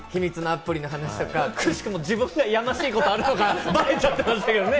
ＧＰＳの話とか、秘密のアプリの話とか、くしくも自分がやましいことあるのがバレちゃってましたけどね。